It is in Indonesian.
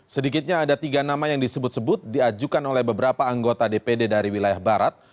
sedikitnya ada tiga nama yang disebut sebut diajukan oleh beberapa anggota dpd dari wilayah barat